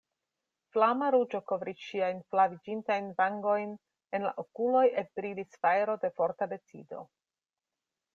Flama ruĝo kovris ŝiajn flaviĝintajn vangojn, en la okuloj ekbrilis fajro de forta decido.